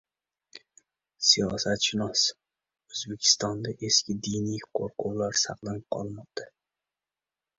Siyosatshunos: "O‘zbekistonda eski diniy qo‘rquvlar saqlanib qolmoqda"